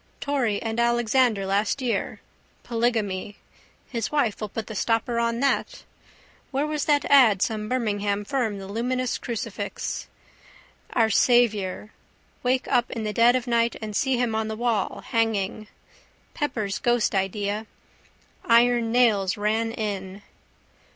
Torry and Alexander last year. Polygamy. His wife will put the stopper on that. Where was that ad some Birmingham firm the luminous crucifix. Our Saviour. Wake up in the dead of night and see him on the wall, hanging. Pepper's ghost idea. Iron Nails Ran In.